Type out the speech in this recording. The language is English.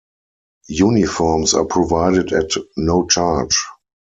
Uniforms are provided at no charge.